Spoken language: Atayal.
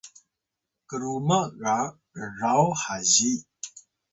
kruma ga rraw hazi